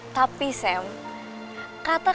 tadi seperti yang kita katakan